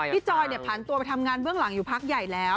จอยผ่านตัวไปทำงานเบื้องหลังอยู่พักใหญ่แล้ว